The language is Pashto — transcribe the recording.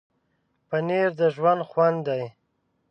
پنېر د ژوند خوند دی.